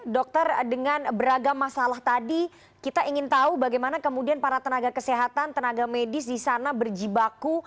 dokter dengan beragam masalah tadi kita ingin tahu bagaimana kemudian para tenaga kesehatan tenaga medis di sana berjibaku